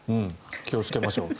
気をつけましょう。